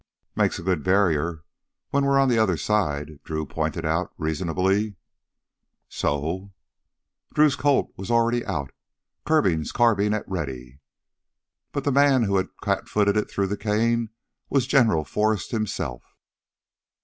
"Makes a good barrier when we're on the other side," Drew pointed out reasonably. "So " Drew's Colt was already out, Kirby's carbine at ready. But the man who had cat footed it through the cane was General Forrest himself.